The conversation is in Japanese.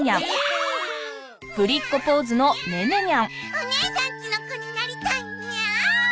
お姉さんちの子になりたいニャン。